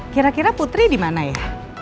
kira kira putri di mana ya